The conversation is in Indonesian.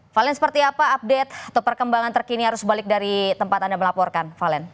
valen seperti apa update atau perkembangan terkini arus balik dari tempat anda melaporkan valen